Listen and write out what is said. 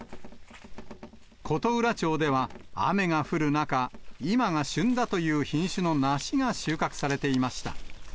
琴浦町では、雨が降る中、今が旬だという品種の梨が収穫されていました。